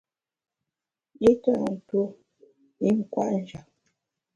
I tâ ntuo i nkwet njap.